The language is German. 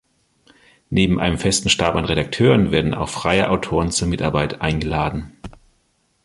Neben einem festen Stab an Redakteuren werden auch freie Autoren zur Mitarbeit eingeladen.